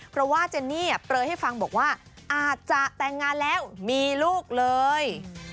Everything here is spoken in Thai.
เพราะว่าเจนนี่เปลยให้ฟังบอกว่าอาจจะแต่งงานแล้วมีลูกเลย